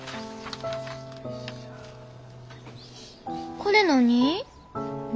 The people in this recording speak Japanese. これ何？